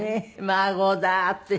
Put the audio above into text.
孫だー！って。